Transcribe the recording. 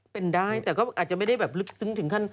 เป็นได้แต่ก็อาจจะไม่ได้แบบลึกซึ้งถึงขั้น